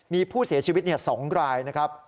มีผู้เสียชีวิต๒รายนะครับ